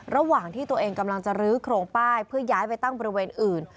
ระหว่างที่ตัวเองกำลังจะรื้อโครงป้ายเพื่อย้ายไปตั้งบริเวณอื่น